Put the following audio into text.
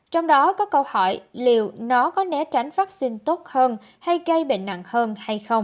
trong đó có câu hỏi liệu nó có né tránh phát sinh tốt hơn hay gây bệnh nặng hơn hay không